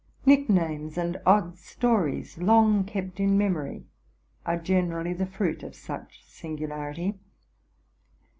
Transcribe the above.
| Nicknames and odd stories, long kept in memory, are generally the fruit of such singularity.